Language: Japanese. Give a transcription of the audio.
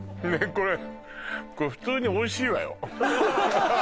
これこれ普通においしいわよハハハ